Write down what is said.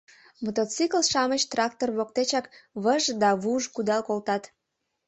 Мотоцикл-шамыч трактор воктечак выж да вуж кудал колтат.